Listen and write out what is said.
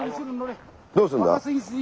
どうすんだ？